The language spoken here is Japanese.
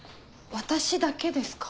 私だけですか？